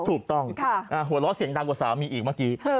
ถูกต้องหัวเราะเสียงดังกว่าสามีอีกเมื่อกี้